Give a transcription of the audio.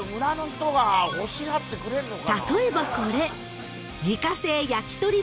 ［例えばこれ］